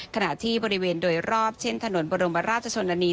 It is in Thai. ขณะที่บริเวณโดยรอบเช่นถนนบรมราชชนนานี